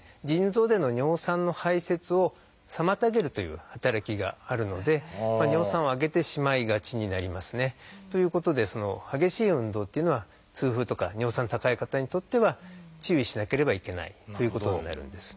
腎臓での尿酸の排せつを妨げるという働きがあるので尿酸を上げてしまいがちになりますね。ということで激しい運動っていうのは痛風とか尿酸高い方にとっては注意しなければいけないということになるんです。